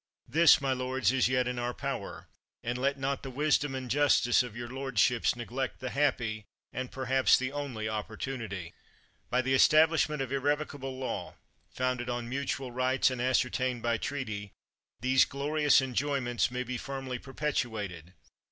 This, my lords, is yet in our power; and let not the wis dom and justice of your lordships neglect the happy, and, perhaps, the only opportunity. By the establishment of irrevocable law, founded on mutual rights, and ascertained by treaty, these glorious enjoyments may be firmly perpet uated.